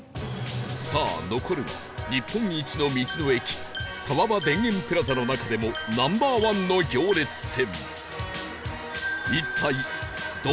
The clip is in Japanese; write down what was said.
さあ残るは日本一の道の駅川場田園プラザの中でも Ｎｏ．１ の行列店